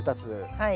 はい。